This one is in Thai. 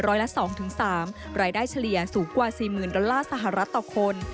ละ๒๓รายได้เฉลี่ยสูงกว่า๔๐๐๐ดอลลาร์สหรัฐต่อคน